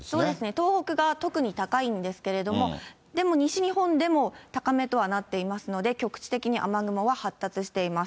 東北が特に高いんですけれども、でも西日本でも高めとはなっていますので、局地的に雨雲は発達しています。